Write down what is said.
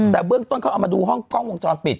แต่เบื้องต้นเขาเอามาดูห้องกล้องวงจรปิด